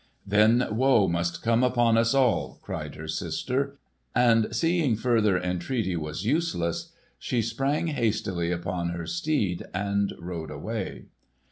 "Then woe must come upon us all!" cried her sister; and seeing further entreaty was useless, she sprang hastily upon her steed and rode away.